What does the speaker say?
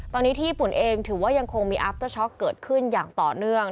ตอนนี้ที่ญี่ปุ่นเองถือว่ายังคงมีอัพเตอร์ช็อกเกิดขึ้นอย่างต่อเนื่อง